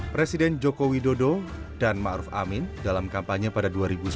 presiden jokowi dodo dan ma'ruf amin dalam kampanye pada dua ribu sembilan belas